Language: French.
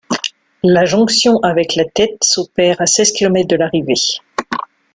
La jonction avec la tête s'opère à seize kilomètres de l'arrivée.